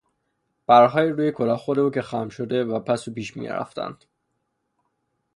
پرهای روی کلاهخود او که خم شده و پس و پیش میرفتند